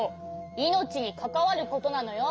いのちにかかわることなのよ！